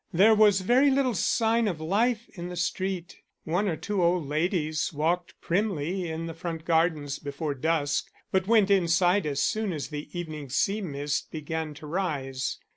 There was very little sign of life in the street. One or two old ladies walked primly in the front gardens before dusk, but went inside as soon as the evening sea mist began to rise.